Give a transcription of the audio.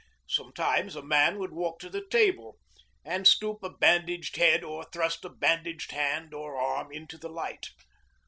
Sometimes a man would walk to the table and stoop a bandaged head or thrust a bandaged hand or arm into the light.